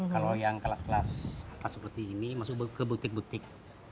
kalau yang kelas kelas atas seperti ini masuk ke butik butik